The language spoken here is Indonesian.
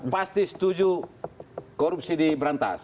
pasti setuju korupsi diberantas